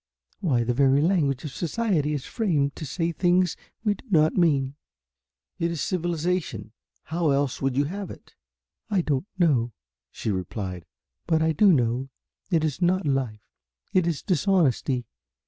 Why the very language of society is framed to say things we do not mean." "It is civilization. How else would you have it?" "I don't know," she replied, "but I do know it is not life. It is dishonesty.